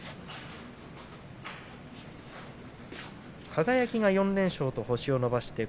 輝４連勝と星を伸ばしました。